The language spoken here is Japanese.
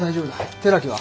寺木は？